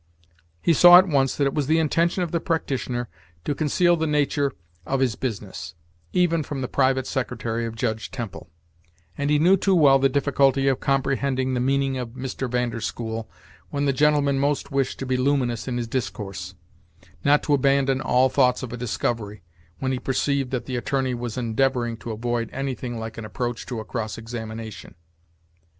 He saw at once that it was the intention of the practitioner to conceal the nature of his business, even from the private secretary of Judge Temple; and he knew too well the difficulty of comprehending the meaning of Mr. Van der School, when the gentleman most wished to be luminous in his discourse, not to abandon all thoughts of a discovery, when he perceived that the attorney was endeavoring to avoid anything like an approach to a cross examination.